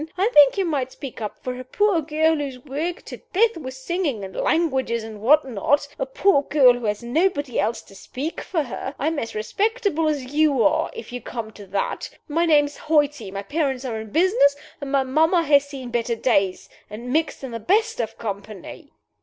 I think you might speak up for a poor girl who is worked to death with singing and languages and what not a poor girl who has nobody else to speak for her. I am as respectable as you are, if you come to that. My name is Hoighty. My parents are in business, and my mamma has seen better days, and mixed in the best of company."